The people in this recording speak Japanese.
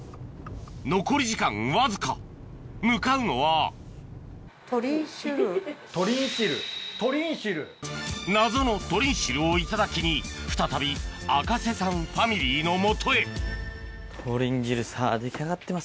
残り時間わずか向かうのは謎のとりんしるをいただきに再び赤瀬さんファミリーのもとへとりんしるさぁ出来上がってますかね？